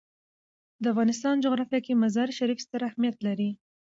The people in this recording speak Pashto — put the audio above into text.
د افغانستان جغرافیه کې مزارشریف ستر اهمیت لري.